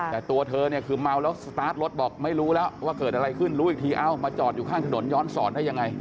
แต่ตัวเธอเนี่ยคือเมาแล้วสตาร์ทรถบอกไม่รู้แล้วว่าเกิดอะไรขึ้นรู้อีกทีเอ้ามาจอดอยู่ข้างถนนย้อนสอนได้ยังไง